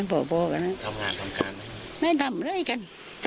ได้ทำเลยกัน